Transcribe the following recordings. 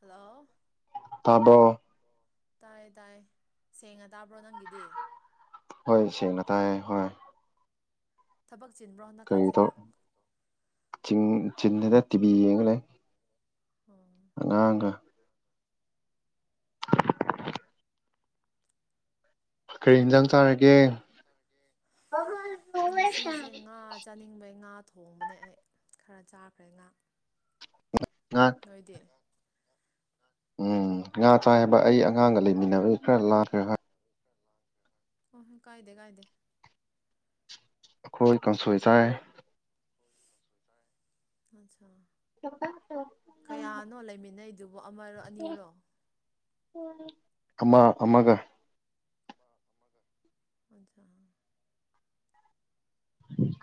hello ꯇꯥꯕꯣꯔ ꯇꯥꯌꯦ ꯇꯥꯌꯦ ꯁꯦꯡꯅ ꯇꯥꯕ꯭ꯔꯣ ꯅꯪꯒꯤꯗꯤ ꯍꯣꯏ ꯁꯦꯡꯅ ꯇꯥꯏꯌꯦ ꯍꯣꯏ ꯊꯕꯛ ꯆꯤꯟꯕ꯭ꯔꯣ ꯍꯟꯗꯛ ꯀꯔꯤ ꯀꯥꯟꯁꯦ ꯇꯧ ꯅꯪ ꯆꯤꯡ ꯆꯤꯟꯗꯦꯗ ꯇꯤꯕꯤ ꯌꯦꯡꯉꯥ ꯂꯩ ꯎꯝ ꯑꯉꯥꯡꯒ ꯀꯔꯤ ꯏꯟꯖꯥꯡ ꯆꯥꯔꯒꯦ ꯉꯁꯤꯁꯦ ꯉꯥ ꯆꯥꯅꯤꯡꯕꯩ ꯉꯥ ꯊꯣꯡꯕꯅꯦ ꯑꯩ ꯈꯔ ꯆꯥꯈ꯭ꯔꯦ ꯉꯥ ꯉꯥ ꯅꯣꯏꯗꯤ ꯎꯝ ꯉꯥ ꯆꯥꯏꯕ ꯑꯩ ꯑꯉꯥꯡꯒ ꯂꯩꯃꯤꯟꯅꯕ ꯈꯔ ꯂꯥꯛꯈꯦ ꯍꯣꯏ ꯑꯣꯍꯣꯏ ꯀꯥꯥꯏꯗ ꯀꯥꯏꯗ ꯑꯩꯈꯣꯏ ꯀꯥꯡꯁꯣꯏ ꯆꯥꯏ ꯑꯆꯥ ꯀꯌꯥꯅꯣ ꯂꯩꯃꯤꯟꯅꯩ ꯑꯗꯨꯕꯨ ꯑꯃꯔꯣ ꯑꯅꯤꯔꯣ ꯑꯃ ꯑꯃꯒ ꯑꯖ [inaudible] ꯎꯝ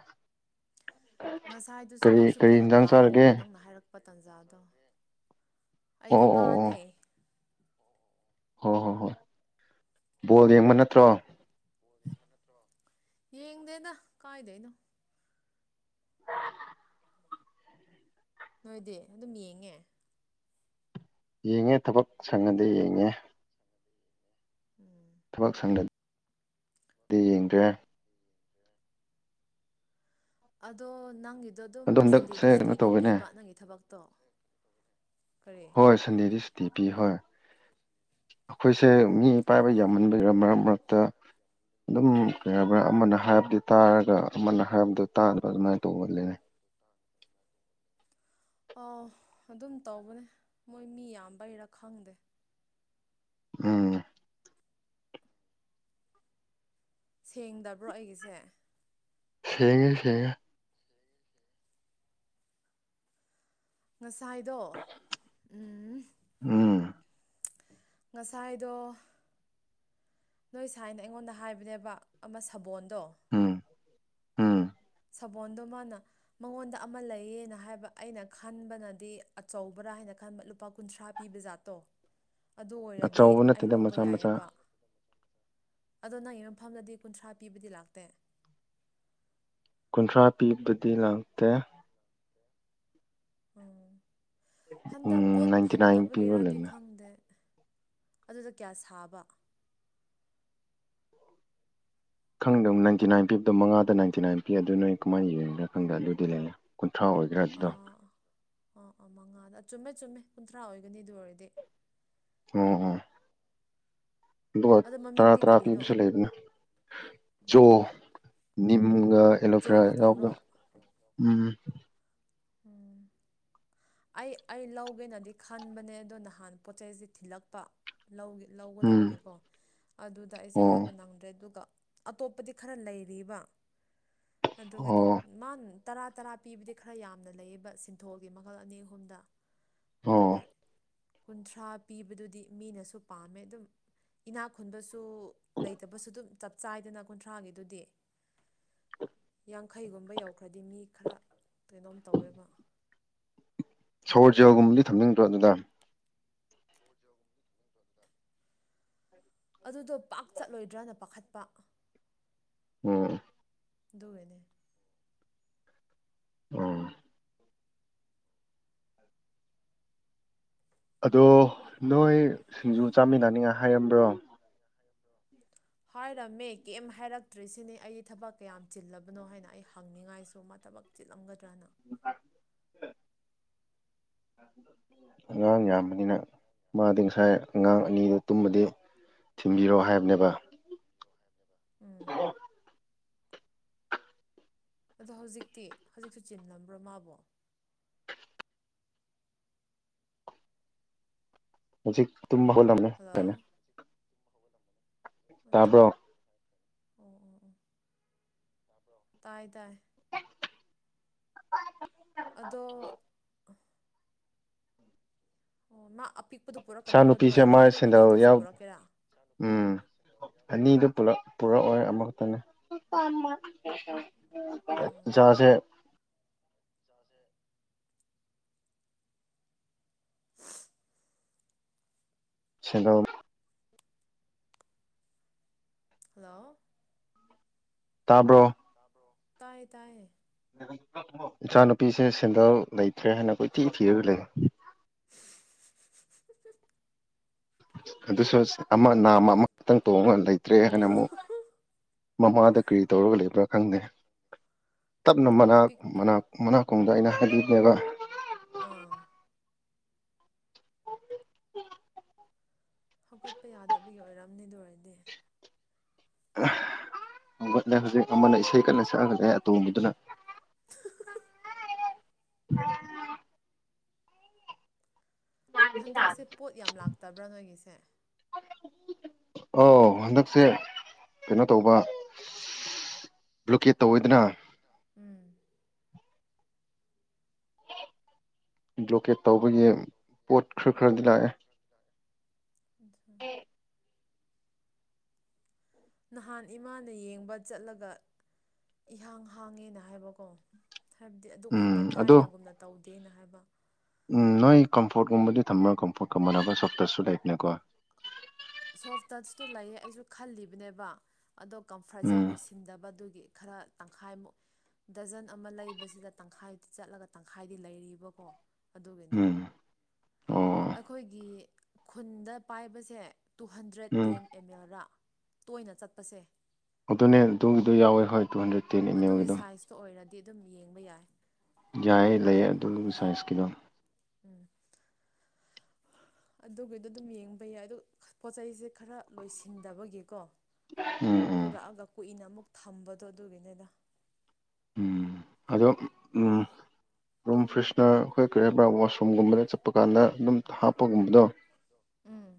ꯉꯁꯥꯏꯗꯨꯁꯨ ꯑꯩꯁꯨ ꯐꯔꯛ ꯇꯥꯕ ꯆꯥꯔꯒꯦ ꯑꯃꯨꯛꯀ ꯅꯪꯅ ꯍꯥꯏꯔꯛꯄ ꯇꯥꯟꯖꯥꯗꯣ ꯑꯣ ꯑꯩꯗꯤ ꯉꯥꯅꯦ ꯍꯣ ꯍꯣꯏ ꯍꯣꯏ ꯕꯣꯜ ꯌꯦꯡꯕ ꯅꯠꯇ꯭ꯔꯣ ꯌꯦꯡꯗꯦꯗ ꯀꯥꯏꯗꯩꯅꯣ ꯅꯣꯏꯗꯤ ꯑꯗꯨꯝ ꯌꯦꯡꯉꯦ ꯌꯦꯡꯉꯦ ꯊꯕꯛ ꯁꯪꯡꯉꯗꯤ ꯌꯦꯡꯉꯦ ꯎꯝ ꯊꯕꯛ ꯁꯪꯗꯔꯗꯤ ꯌꯦꯡꯗ꯭ꯔꯦ ꯑꯗꯣ ꯅꯪꯒꯤꯗꯣ ꯑꯗꯨꯝ ꯑꯗꯣ ꯍꯟꯗꯛꯁꯦ ꯁꯟꯗꯦꯗꯨ ꯁꯨꯇꯤ ꯀꯩꯅꯣ ꯑꯗꯨꯝ ꯇꯧꯋꯦꯅꯦ ꯄꯤꯕ ꯅꯪꯒꯤ ꯊꯕꯛꯇꯣ ꯀꯔꯤ ꯍꯣꯏ ꯁꯟꯗꯦꯗꯤ ꯁꯨꯇꯤ ꯄꯤ ꯍꯣꯏ ꯑꯩꯈꯣꯏꯁꯦ ꯃꯤ ꯄꯥꯏꯕ ꯌꯥꯝꯃꯟꯕ ꯃꯔꯛ ꯃꯔꯛꯇ ꯑꯗꯨꯝ ꯀꯩ ꯍꯥꯏꯕ꯭ꯔꯥ ꯑꯃꯅ ꯍꯥꯏꯕꯗꯤ ꯇꯥꯔꯒ ꯑꯃꯅ ꯍꯥꯏꯕꯗꯨ ꯇꯥꯗꯕ ꯑꯗꯨꯃꯥꯏꯅ ꯇꯧꯕ ꯂꯩꯌꯦ ꯑ ꯑꯗꯨꯝ ꯇꯧꯕꯅꯦ ꯃꯣꯏ ꯃꯤ ꯌꯥꯝꯕꯩꯔꯥ ꯈꯪꯗꯦ ꯎꯝ [inaudible] ꯁꯦꯡꯗꯕ꯭ꯔꯣ ꯑꯩꯒꯤꯁꯦ ꯁꯤꯉ ꯁꯤꯉ ꯉꯁꯥꯏꯗꯣ ꯎꯝ ꯎꯝ ꯉꯁꯥꯏꯗ ꯅꯣꯏ ꯁꯥꯏꯅ ꯑꯩꯉꯣꯟꯗ ꯍꯥꯏꯕꯅꯦꯕ ꯑꯃ ꯁꯥꯕꯣꯟꯗꯣ ꯎꯝ ꯎꯝ [inaudible] ꯁꯥꯕꯣꯣꯟꯗꯣ ꯃꯥꯅ ꯃꯉꯣꯟꯗ ꯑꯃ ꯂꯩꯌꯦꯅ ꯍꯥꯏꯕ ꯑꯩꯅ ꯈꯟꯕꯅꯗꯤ ꯑꯆꯧꯕ꯭ꯔꯥ ꯍꯥꯏꯅ ꯈꯟꯕ ꯂꯨꯄꯥ ꯀꯨꯟꯊ꯭ꯔꯥ ꯄꯤꯕ ꯖꯥꯠꯇꯣ ꯑꯗꯨ ꯑꯣꯏꯔꯗꯤ ꯑꯆꯧꯕ ꯑꯩ ꯅꯠꯇꯦꯗ ꯂꯧꯕ ꯃꯆꯥ ꯃꯆꯥ ꯌꯥꯏꯑꯕ ꯑꯗꯣ ꯅꯪꯒꯤ ꯃꯐꯝꯗꯗꯤ ꯀꯨꯟꯊ꯭ꯔꯥ ꯄꯤꯕꯗꯤ ꯂꯥꯛꯇꯦ ꯀꯨꯟꯊ꯭ꯔꯥ ꯄꯤꯕꯗꯤ ꯂꯥꯛꯇꯦ ꯎꯝ ꯎꯝ ꯍꯟꯗꯛ ꯄꯣꯠ ꯅꯥꯏꯟꯇꯤ ꯅꯥꯏꯟ ꯄꯤꯕ ꯐꯪꯗꯕꯒꯤꯔꯗꯤ ꯂꯩꯕꯅꯦ ꯈꯪꯗꯦ ꯑꯗꯨꯗ ꯀꯌꯥ ꯁꯥꯕ ꯈꯪꯗꯕꯣ ꯏꯟꯇꯤ ꯅꯥꯟ ꯄꯤꯕꯗꯣ ꯃꯉꯥꯗ ꯅꯥꯏꯟꯤ ꯅꯥꯏꯟ ꯄꯤ ꯅꯅ ꯀꯃꯥꯏꯅ ꯌꯦꯡꯅꯒ ꯈꯪꯗ ꯑꯗꯨꯗꯤ ꯂꯩꯔꯦ ꯑꯥ ꯑꯥ ꯑꯥ ꯃꯉꯥꯗ ꯆꯨꯝꯃꯦ ꯆꯨꯝꯃꯦ ꯀꯨꯟꯊ꯭ꯔꯥ ꯑꯣꯏꯒꯅꯤ ꯑꯗꯨ ꯑꯣꯏꯔꯗꯤ ꯑꯝ ꯑ [inaudible] ꯑꯗꯨꯒ ꯑꯗꯣ ꯇꯔꯥ ꯃꯃꯤꯡꯗꯤ ꯇꯔꯥ ꯀꯔꯤꯅꯣ ꯄꯤꯕꯁꯨ ꯑꯣ ꯂꯩꯕꯅꯤ ꯖꯣ ꯑꯣ ꯃꯨꯡꯒꯥ ꯖꯣ ꯑꯦꯂꯣꯐꯔꯥ ꯌꯥꯎꯕ ꯈꯛꯇꯪꯔꯣ ꯎꯝ ꯎꯝ ꯑꯩ ꯑꯩ ꯂꯧꯒꯦꯅꯗꯤ ꯈꯟꯕꯅꯦ ꯑꯗꯣ ꯅꯍꯥꯟ ꯄꯣꯠꯁꯤ ꯊꯤꯜꯂꯛꯄ ꯂꯧ ꯎꯝ ꯂꯧꯒꯗꯕꯒꯤꯀꯣ ꯑꯗꯨꯗ ꯑꯩꯁꯦ ꯑꯣ ꯍꯥꯏꯕ ꯅꯪꯗ꯭ꯔꯦ ꯑꯗꯨꯒ ꯑꯇꯣꯞꯄꯗꯤ ꯈꯔ ꯂꯩꯔꯤꯕ ꯑꯗꯨꯒꯒꯤꯅꯦ ꯑꯣ ꯃꯥ ꯇꯔꯥ ꯇꯔꯥ ꯄꯤꯕꯗꯤ ꯈꯔ ꯌꯥꯝꯅ ꯂꯩꯌꯦꯕ ꯁꯤꯟꯊꯣꯜꯒꯤ ꯃꯈꯜ ꯑꯅꯤ ꯑꯍꯨꯝꯗ ꯑꯣ ꯑꯗꯨꯒꯤ ꯀꯨꯟꯊ꯭ꯔꯥ ꯄꯤꯕꯗꯨꯗꯤ ꯃꯤꯅꯁꯨ ꯄꯥꯝꯃꯦ ꯑꯗꯨꯝ ꯏꯅꯥꯛ ꯈꯨꯨꯟꯕꯁꯨ ꯁꯨ ꯂꯩꯇꯕꯁꯨ ꯑꯗꯨꯝ ꯆꯞ ꯆꯥꯏꯗꯅ ꯀꯨꯟꯊ꯭ꯔꯥꯒꯤꯗꯨꯗꯤ ꯌꯥꯡꯈꯩꯒꯨꯝꯕ ꯌꯧꯈ꯭ꯔꯗꯤ ꯃꯤ ꯈꯔ ꯀꯩꯅꯣꯝ ꯇꯧꯋꯦꯕ ꯁꯣꯔ ꯖꯦꯜꯒꯨꯝꯕꯗꯤ ꯊꯝꯅꯤꯡꯗ꯭ꯔꯣ ꯑꯗꯨꯗ ꯑꯗꯨꯗꯣ ꯄꯥꯛ ꯆꯠꯂꯣꯏꯗ꯭ꯔꯅ ꯄꯥꯈꯠꯄ ꯎꯝ ꯗꯅꯦꯦ ꯎꯝ ꯑꯗꯣ ꯅꯣꯏ ꯁꯤꯡꯖꯨ ꯆꯥꯃꯤꯟꯅꯅꯤꯡꯉꯥꯏ ꯍꯥꯏꯝꯕ꯭ꯔꯣ ꯍꯥꯏꯔꯝꯃꯦ ꯀꯩꯝ ꯍꯥꯏꯔꯛꯇ꯭ꯔꯤꯁꯤꯅꯤ ꯑꯩ ꯊꯕꯛ ꯀꯌꯥꯝ ꯆꯤꯜꯂꯕꯅꯣ ꯍꯥꯏꯅ ꯑꯩ ꯍꯪꯅꯤꯡꯉꯥꯏꯁꯨ ꯊꯕꯛꯤꯂꯝꯒꯗ꯭ꯔꯥꯅꯤ [unintelligible] ꯑꯉꯥꯡ ꯌꯥꯝꯕꯅꯤꯅ ꯃꯥꯗꯤ ꯉꯁꯥꯏ ꯑꯉꯥꯡ ꯎꯝ ꯑꯅꯤꯗꯨ ꯇꯨꯝꯃꯗꯤ ꯊꯤꯟꯕꯤꯔꯛꯑꯣ ꯍꯥꯏꯕꯅꯦꯕ ꯎꯝ ꯑꯗꯣ ꯍꯧꯖꯤꯛꯇꯤ ꯍꯧꯖꯤꯛꯁꯨ ꯆꯤꯜꯂꯝꯕ꯭ꯔꯣ ꯃꯥꯕꯣ ꯍꯧꯖꯤꯛ ꯇꯨꯝ ꯍꯣꯜꯅ ꯍꯜꯂꯣ ꯀꯅꯦ ꯑꯣ ꯇꯥꯕ꯭ꯔꯣ ꯑꯣ ꯇꯥꯏ ꯇꯥꯏ [unintelligible] ꯑꯣ ꯑꯣ ꯃꯥꯄꯤ ꯏꯆꯥ ꯅꯨꯨꯄꯤꯁꯦ ꯃꯥ ꯁꯦꯟꯗꯦꯜ ꯌꯥꯎ ꯄꯨꯔꯛꯀꯦꯔꯥ ꯎꯝ ꯑꯅꯤꯗꯨ ꯄꯨꯂꯞ ꯄꯨꯔꯛꯑꯣꯏ ꯑꯃꯈꯛꯇꯅꯦ ꯑꯣ ꯏꯥꯁꯦ ꯁꯗꯜ ꯍꯜꯂꯣ ꯇꯥꯕ꯭ꯔꯣ ꯇꯌꯦ ꯇꯌꯦ ꯏꯆꯥꯅꯨꯄꯤꯁꯦ ꯁꯦꯟꯗꯜ ꯂꯩꯇ꯭ꯔꯦ ꯍꯥꯏꯅ ꯑꯩꯈ ꯏꯊꯤ ꯊꯤꯔꯒ ꯂꯩ ꯑꯗꯨꯁꯨ ꯑꯃ ꯅꯥꯝꯃ ꯑꯃꯈꯛꯇꯪ ꯇꯣꯡꯉꯒ ꯂꯩꯇ꯭ꯔꯦ ꯍꯥꯏꯅ ꯑꯃꯨꯛ ꯃꯃꯥꯗ ꯀꯔꯤ ꯇꯧꯔꯒ ꯂꯩꯕ꯭ꯔꯥ ꯈꯪꯗꯦ ꯇꯞꯅ ꯑꯄꯤꯛ ꯃꯅꯥꯛꯅꯥ ꯃꯅꯥꯛꯀꯣꯡꯕꯗ ꯑꯩꯅ ꯍꯥꯏꯕꯤꯕꯅꯦꯕ ꯑꯥ ꯍꯧꯀꯠꯄ ꯌꯥꯗꯕꯒꯤ ꯑꯣꯏꯔꯝꯅꯤꯗꯨ ꯑꯣꯏꯔꯗꯤ ꯍꯧꯒꯠꯂꯦ ꯍꯧꯖꯤꯛ ꯑꯃꯅ ꯏꯁꯩ ꯀꯟꯅ ꯁꯛꯍꯒꯂꯦ ꯑꯇꯣꯕꯗꯨꯅ ꯑ ꯍꯟꯗꯛꯁꯦ ꯄꯣꯠ ꯌꯥꯝ ꯂꯥꯛꯇꯕ꯭ꯔꯥ ꯅꯣꯏꯒꯤꯁꯦ ꯑ ꯍꯟꯗꯛꯁꯦ ꯀꯩꯅꯣ ꯇꯧꯕ ꯂꯨꯀꯦꯠ ꯇꯧꯋꯤꯗꯅ ꯎꯝ ꯕ꯭ꯂꯣꯀꯦꯠ ꯇꯧꯕꯒꯤ ꯄꯣꯠ ꯈꯔ ꯈꯔꯗꯤ ꯂꯥꯛꯑꯦ ꯑꯝ ꯅꯍꯥꯟ ꯏꯃꯥꯅ ꯌꯦꯡꯕ ꯆꯠꯂꯒ ꯏꯍꯥꯡ ꯍꯥꯡꯉꯦꯅ ꯍꯥꯏꯕꯀꯣ ꯍꯥꯏꯕꯗꯤ ꯑꯗꯨꯛ ꯍꯅ ꯎꯝ ꯑꯗꯣ ꯊꯥꯏꯅꯒꯨꯝꯅ ꯇꯧꯗꯦꯅ ꯍꯥꯏꯕ ꯎꯝ ꯅꯣꯏ ꯀꯝꯐꯣꯔꯠꯀꯨꯝꯕꯗꯤ ꯊꯝꯃꯣ ꯀꯝꯐꯣꯔꯠ ꯀꯃꯜꯅꯕ ꯁꯣꯞꯇꯁꯨ ꯂꯩꯕꯅꯦꯀꯣ ꯁꯣꯐ ꯇꯁꯇꯨ ꯂꯩꯌꯦ ꯑꯩꯁꯨ ꯈꯜꯂꯤꯕꯅꯦꯕ ꯑꯗꯣ ꯀꯝꯐꯔꯠꯁꯦ ꯎꯝ ꯂꯣꯏꯁꯤꯟꯗꯕ ꯑꯗꯨꯒꯤ ꯒꯤ ꯈꯔ ꯇꯪꯈꯥꯏꯃꯨꯛ ꯗꯖꯟ ꯑꯃ ꯂꯩꯕꯁꯤꯗ ꯇꯪꯈꯥꯏꯗ ꯆꯠꯂꯒ ꯇꯪꯈꯥꯏꯗꯤ ꯂꯩꯔꯤꯕꯀꯣ ꯑꯗꯨꯒꯤꯅꯤ ꯎꯝ ꯑꯣ ꯑꯩꯈꯣꯏꯒꯤ ꯈꯨꯟꯗ ꯄꯥꯏꯕꯁꯦ two hundred um ten M L ꯔꯥ ꯇꯣꯏꯅ ꯆꯠꯄꯁꯦ ꯑꯗꯨꯅꯦ ꯑꯗꯨꯒꯤꯗꯣ ꯌꯥꯎꯋꯦ ꯍꯣꯏ ꯇꯨ ꯍꯟꯗ꯭ꯔꯦꯠ ꯇꯦꯟ ꯑꯦꯝ ꯑꯗꯨꯒꯤ ꯑꯦꯝꯒꯤꯗꯣ ꯁꯥꯏꯖꯇꯣ ꯑꯣꯏꯔꯗꯤ ꯑꯗꯨꯝ ꯌꯦꯡꯕ ꯌꯥꯏ ꯌꯥꯏ ꯂꯩ ꯑꯗꯨ ꯁꯥꯏꯁꯀꯤꯗꯣ ꯎꯝ ꯑꯗꯨꯒꯤꯗꯣ ꯑꯗꯨꯝ ꯌꯦꯡꯕ ꯌꯥꯏ ꯑꯗ ꯄꯣꯠ ꯆꯩꯁꯦ ꯈꯔ ꯂꯣꯏꯁꯤꯟꯗꯕꯒꯤꯀꯣ ꯎꯝ ꯎꯝ ꯄꯨꯔꯛꯑꯒ ꯀꯨꯏꯅ ꯑꯃꯨꯛ ꯊꯝꯕꯗꯣ ꯑꯗꯨꯒꯤꯅꯤꯗ ꯎꯝ ꯑꯗꯣ ꯎꯝ ꯔꯨꯝ ꯐ꯭ꯔꯦꯁꯅꯔ ꯑꯩꯈꯣꯏ ꯀꯔꯤ ꯍꯥꯏꯔꯤꯕ꯭ꯔꯥ ꯋꯥꯁꯔꯨꯝꯒꯨꯝꯕꯗ ꯆꯠꯄ ꯀꯥꯟꯗ ꯑꯗꯨꯝ ꯍꯥꯞꯄꯒꯨꯝꯕꯗꯣ ꯎꯝ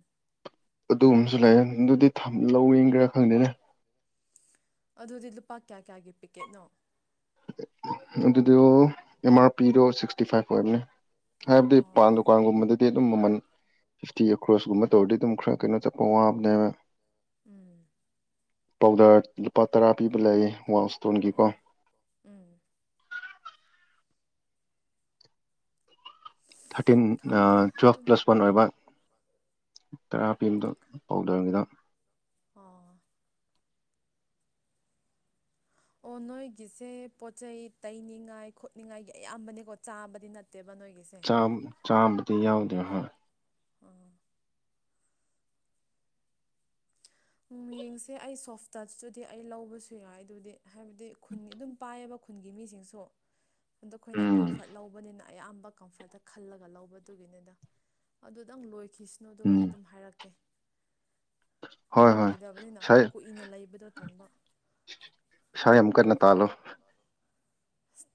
ꯑꯗꯨꯒꯨꯝꯕꯁꯨ ꯂꯩ ꯑꯗꯨꯗꯤ ꯂꯧꯋ ꯈꯔ ꯈꯪꯗꯦꯅꯦ ꯑꯗꯨꯗꯤ ꯂꯨꯄꯥ ꯀꯌꯥ ꯀꯌꯥꯒꯤ ꯄꯤꯀꯦꯠꯅꯣ ꯑꯗꯨꯗ ꯑꯦꯝ ꯑꯥꯔ ꯄꯤꯗꯣ ꯁꯤꯛꯁꯇꯤ ꯐꯥꯏꯚ ꯑꯣꯏꯕꯅꯦ ꯍꯥꯏꯕꯗꯤ ꯄꯥꯟ ꯑꯣ ꯗꯨꯀꯥꯟꯒꯨꯝꯕꯗꯗꯤ ꯑꯗꯨꯝ ꯃꯃꯜ ꯐꯤꯐꯇꯤ ꯑꯦꯀ꯭ꯔꯣꯁꯀꯨꯝꯕ ꯇꯧꯔꯗꯤ ꯑꯗꯨꯝ ꯈꯔ ꯀꯩꯅꯣ ꯆꯠꯄ ꯋꯥꯕꯅꯦꯕ ꯎꯝ ꯄꯥꯎꯗꯔ ꯂꯨꯄꯥ ꯇꯔꯥ ꯄꯤꯕ ꯂꯩ ꯋꯥꯏꯜ ꯏꯁꯇꯣꯟꯒꯤꯀꯣ ꯎꯝ ꯎꯝ ꯊꯥꯔꯇꯤꯟ ꯈꯪꯗꯦ ꯇ꯭ꯋꯦꯜꯐ ꯑꯗꯨꯝ ꯄ꯭ꯂꯁ ꯋꯥꯟ ꯑꯣꯏꯕ ꯇꯔꯥ ꯄꯦꯟꯗ ꯄꯥꯎꯗꯔꯉꯗ ꯑꯣ ꯑꯣ ꯅꯣꯏꯒꯤꯁꯦ ꯄꯣꯠꯆ ꯆꯩ ꯇꯩꯅꯤꯡꯉꯥꯏ ꯈꯣꯠꯅꯤꯡꯉꯥꯏ ꯑꯌꯥꯝꯕꯅꯦꯀꯣ ꯆꯥꯕꯗꯤ ꯅꯠꯇꯦꯕ ꯅꯣꯏꯒꯤꯁꯦ ꯆꯥꯡ ꯆꯥꯝꯕꯗꯤ ꯌꯥꯎꯗꯣ ꯍꯥꯏ ꯑꯣ ꯎꯝ ꯌꯦꯡꯁꯦ ꯑꯩ ꯁꯣꯐ ꯇꯆꯇꯨꯗꯤ ꯑꯩ ꯂꯧꯕꯁꯨ ꯌꯥꯏ ꯑꯗꯨꯗꯤ ꯍꯥꯏꯕꯗꯤ ꯈꯨꯟꯒꯤ ꯑꯗꯨꯝ ꯄꯥꯏꯑꯕ ꯈꯨꯟꯒꯤ ꯃꯤꯁꯤꯡꯁꯨ ꯑꯗ ꯑꯩꯈꯣꯏꯅ ꯎꯝ ꯀꯝꯐꯔꯠ ꯂꯧꯕꯅꯤꯅ ꯑꯌꯥꯝꯕ ꯀꯝꯐꯔꯠꯇ ꯈꯜꯂꯒ ꯂꯧꯕꯗꯨꯒꯤꯅꯤꯅ ꯑꯗꯨꯗꯪ ꯂꯣꯏ ꯀ꯭ꯔꯤꯁꯅꯣꯗꯨꯒ ꯑꯩ ꯎꯝ ꯑꯗꯨꯝ ꯍꯥꯏꯔꯛꯀꯦ ꯍꯣꯏ ꯍꯣꯏ ꯂꯣꯏꯗꯕꯅꯤꯅ ꯀꯨꯏꯅ ꯂꯩꯕꯗꯣ ꯇꯟꯕ ꯁꯥꯏ ꯑꯃ ꯀ ꯇꯥꯂꯣ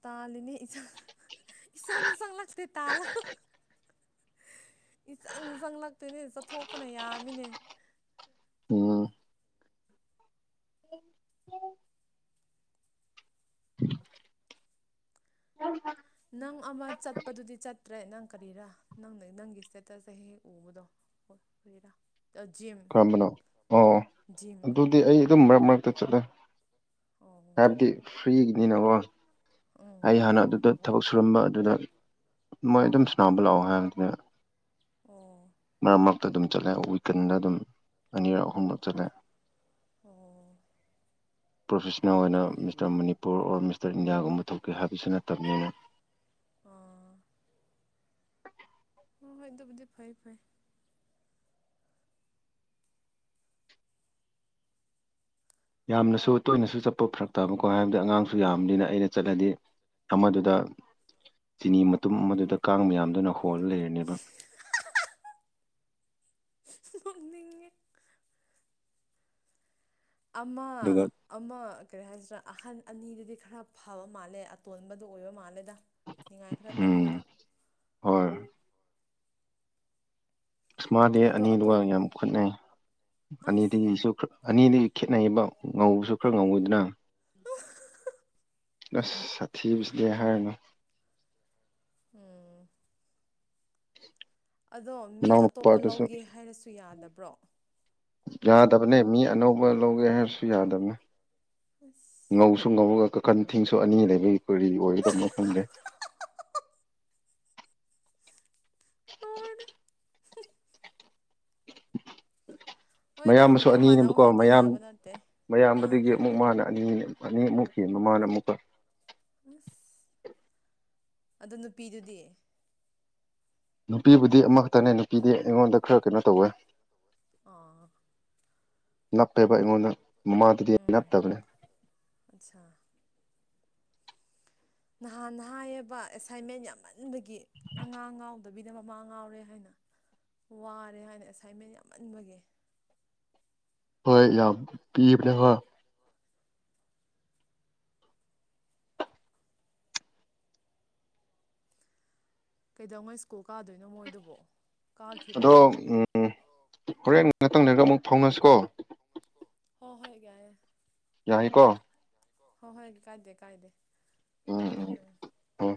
ꯇꯥꯂꯤꯅꯦ ꯏꯁꯪ ꯏꯁꯪꯁꯪ ꯂꯥꯛꯇꯦ ꯇꯥꯂ ꯏꯆꯪ ꯆꯪꯂꯛꯇꯣꯏꯅꯦ ꯆꯠꯊꯣꯛꯄꯅ ꯌꯥꯝꯃꯤꯅꯦ ꯑꯝ ꯎ ꯑ ꯅꯪ ꯑꯃ ꯆꯠꯄꯗꯨꯗꯤ ꯆꯠꯇ꯭ꯔꯦ ꯅꯪ ꯀꯔꯤꯔꯥ ꯅꯪ ꯅꯪꯒꯤ ꯏꯁꯇꯦꯇꯁꯁꯦꯦꯛ ꯍꯦꯛ ꯎꯕꯗꯣ ꯍ ꯐꯣꯏꯗꯥ ꯈꯔꯝꯕꯅꯣ ꯑꯣ ꯖꯤꯝ ꯑꯗꯨꯗꯤ ꯑꯩ ꯑꯗꯨꯝ ꯃꯔꯛ ꯃꯔꯛꯇ ꯆꯠꯂꯦ ꯑꯣ ꯍꯥꯏꯕꯗꯤ ꯐ꯭ꯔꯤꯒꯤꯅꯤꯅꯀꯣ ꯎꯝ ꯑꯩ ꯍꯥꯟꯅ ꯑꯗꯨꯗ ꯊꯕꯛ ꯁꯨꯔꯝꯕ ꯑꯗꯨꯗ ꯃꯣꯏ ꯑꯗꯨꯝ ꯁꯨꯅꯥꯎꯕ ꯂꯥꯛꯑꯣ ꯍꯥꯏꯕꯗꯨꯗ ꯑꯣ ꯃꯔꯛ ꯃꯔꯛꯇ ꯑꯗꯨꯝ ꯆꯠꯂꯦ ꯋꯤꯀꯟꯗ ꯑꯗꯨꯝ ꯑꯅꯤꯔꯛ ꯑꯍꯨꯝꯂꯛ ꯆꯠꯂꯦ ꯑꯣ ꯄ꯭ꯔꯣꯐꯦꯁꯅꯦꯜ ꯑꯣꯏꯅ ꯐꯩ mister Manipur or miss mister ꯏꯟꯗꯤꯌꯥꯒꯨꯝꯕ ꯊꯣꯛꯀꯦ ꯍꯥꯏꯕꯁꯨ ꯅꯠꯇꯕꯅꯤꯅ ꯑ [unintelligible] ꯍ ꯍꯣꯏ ꯑꯗꯨ ꯑꯗꯨꯗꯤ ꯐꯩ ꯐꯥꯏ ꯌꯥꯝꯅꯁꯨ ꯇꯣꯏꯅꯁꯨ ꯆꯠꯄ ꯐꯔꯛꯛꯇꯥꯕꯀꯣ ꯍꯥꯏꯕꯗꯤ ꯑꯉꯥꯡꯁꯨ ꯌꯥꯝꯕꯅꯤꯅ ꯑꯩꯅ ꯆꯠꯂꯗꯤ ꯑꯃꯗꯨꯗ ꯆꯤꯅꯤ ꯃꯇꯨꯝ ꯑꯗꯨꯗ ꯀꯥꯡ ꯃꯌꯥꯝꯗꯨꯅ ꯍꯣꯜ ꯂꯩꯔꯅꯦꯕ [unintelligible] ꯅꯣꯛꯅꯤꯡꯉꯦ ꯑꯃ ꯑꯗꯨꯒ ꯑꯃ ꯀꯔꯤ ꯍꯥꯏꯁꯤꯅ ꯑꯍꯟ ꯑꯅꯤꯗꯨꯗꯤ ꯈꯔ ꯐꯕ ꯃꯥꯜꯂꯦ ꯑꯇꯣꯟꯕꯗꯨ ꯑꯣꯏꯕ ꯃꯥꯜꯂꯦꯗ ꯉꯥꯏ ꯈꯔ ꯎꯝ ꯀꯟꯕꯗꯣ ꯍꯣꯏ ꯏꯁꯃꯥ ꯗꯦ ꯑꯗꯣ ꯑꯅꯤꯗꯨꯒ ꯑꯇꯣꯞ ꯌꯥꯝ ꯈꯨꯠꯅꯩ ꯑꯁ ꯑꯅꯤꯗꯤꯁꯨ ꯑꯅꯤꯗꯒꯤ ꯈꯦꯠꯅꯩꯕ ꯉꯧꯕꯁꯨ ꯈꯔ ꯉꯧꯋꯤꯗꯅ ꯑꯁ ꯁꯥꯊꯤꯕꯁꯤꯗꯤ ꯍꯥꯏꯔꯅꯨ ꯎꯝ ꯑꯗꯣ ꯃꯤ ꯃꯅꯥꯎ ꯑꯇꯣꯞꯄ ꯅꯨꯄꯥꯗꯨꯁꯨ ꯂꯧꯒꯦ ꯍꯥꯏꯔꯁꯨ ꯌꯥꯗꯕ꯭ꯔꯣ ꯌꯥꯗꯕꯅꯦ ꯃꯤ ꯑꯅꯧꯕ ꯂꯧꯒꯦ ꯍꯥꯏꯔꯁꯨ ꯌꯥꯗꯕꯅꯦ ꯑꯁ ꯉꯧꯁꯨꯝ ꯉꯕꯒꯈ ꯀꯟ ꯊꯤꯡꯁꯨ ꯑꯅꯤ ꯂꯩꯕꯒꯤ ꯀꯨꯔꯤ ꯑꯣꯏꯒꯗꯕꯅ ꯈꯪꯗꯦ ꯂꯣꯏꯔꯦ ꯍꯣꯏꯗ ꯃꯌꯥꯝꯁꯨ ꯂꯣꯏ ꯃꯥꯟꯅꯧ ꯑꯅꯤꯅꯦꯕꯀꯣ ꯍꯥꯏꯗꯤ ꯃꯌꯥꯝ ꯌꯥꯕ ꯅꯠꯇꯦ ꯑꯥ ꯃꯌꯥꯝꯕꯗꯒꯤ ꯑꯃꯨꯛ ꯍꯥꯏꯔꯛꯑꯣ ꯃꯥꯅ ꯑꯅꯤꯅꯦ ꯑꯅꯤ ꯑꯃꯨꯛꯈꯤ ꯃꯃꯥꯅ ꯑꯃꯨꯛꯀ ꯎ ꯑꯗ ꯅꯨꯄꯤꯗꯨꯗꯤ ꯅꯨꯄꯤꯕꯨꯗꯤ ꯑꯃꯈꯛꯇꯅꯦ ꯅꯨꯄꯤꯗꯤ ꯑꯩꯉꯣꯟꯗ ꯈꯔ ꯀꯩꯅꯣ ꯇꯧꯋꯦ ꯑ ꯅꯞꯄꯦꯕ ꯑꯩꯉꯣꯟꯗ ꯃꯃꯥꯗꯨꯗꯤ ꯅꯞꯇꯕꯅꯦ ꯑꯆꯥ ꯅꯍꯥꯟ ꯅ ꯍꯥꯏꯌꯦꯕ ꯑꯦꯁꯥꯏꯟꯃꯦꯟ ꯌꯥꯝꯃꯟꯕꯒꯤ ꯑꯉꯥꯡ ꯑꯉꯥꯎ ꯑꯗꯣꯕꯤꯅ ꯃꯃꯥ ꯉꯥꯎꯔꯦ ꯍꯥꯏꯅ ꯋꯥꯔꯦ ꯍꯥꯏꯅ ꯑꯦꯁꯥꯏꯟꯃꯦꯟ ꯌꯥꯝꯃꯟꯕꯒꯤ ꯍꯣꯏ ꯌꯥꯝ ꯄꯤꯕꯅꯦ ꯀꯩꯗꯧꯉꯣꯏ ꯁ꯭ꯀꯨꯜ ꯀꯥꯗꯣꯏꯅꯣ ꯃꯣꯏꯗꯨꯕꯣ ꯑꯗꯣ ꯀꯥꯈꯤꯔꯣꯏꯗ꯭ꯔꯣ ꯍꯣꯔꯦꯟ ꯅꯊꯪꯅꯔꯒ ꯑꯃꯨꯛ ꯐꯥꯎꯅꯁꯤꯀꯣ ꯍꯣꯏ ꯍꯣꯏꯒ ꯌꯥꯏꯀꯣ ꯍꯣꯏ ꯍꯣꯏ ꯀꯥꯏꯗꯦ ꯀꯥꯏꯗꯦ ꯎꯝ ꯊꯝꯃꯦ ꯍꯣꯏ